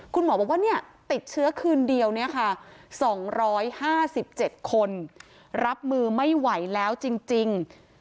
คุณหมอบอกว่าติดเชื้อคืนเดียว๒๕๗คนรับมือไม่ไหวแล้วจริง